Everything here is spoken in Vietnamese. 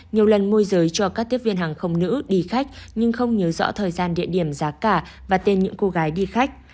nhiều lần môi giới cho các tiếp viên hàng không nữ đi khách nhưng không nhớ rõ thời gian địa điểm giá cả và tên những cô gái đi khách